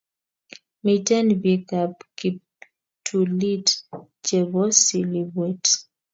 Miten pik ab kiptulit che po Silibwet